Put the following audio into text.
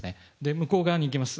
向こう側にいきます。